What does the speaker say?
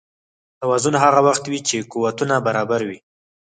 توازن هغه وخت وي چې قوتونه برابر وي.